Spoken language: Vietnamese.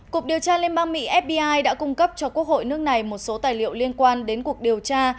cục điều tra liên bang mỹ fbi đã cung cấp cho quốc hội nước này một số tài liệu liên quan đến cuộc điều tra